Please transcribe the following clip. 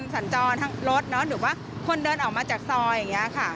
สัญจรทั้งรถหรือว่าคนเดินออกมาจากซอยอย่างนี้ค่ะ